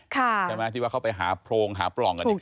ใช่ไหมที่ว่าเขาไปหาโพรงหาปล่องกัน